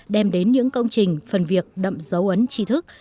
đem đến những công trình phần việc đậm dấu ấn trí thức